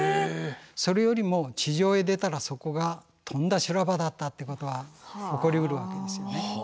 それよりも地上へ出たらそこがとんだ修羅場だったってことは起こりうるわけですよね。